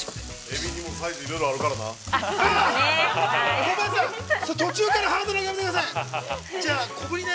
◆エビにもサイズはいろいろあるからね。